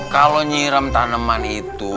kalo nyiram tanaman itu